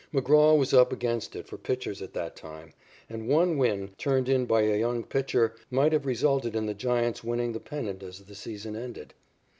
McGraw was up against it for pitchers at that time, and one win, turned in by a young pitcher, might have resulted in the Giants winning the pennant as the season ended.